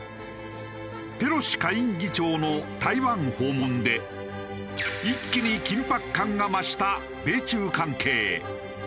ペロシ下院議長の台湾訪問で一気に緊迫感が増した米中関係。